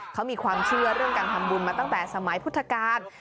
เขามีความเชื่อเรื่องการทำบุญมาตั้งแต่สมัยพุทธกาล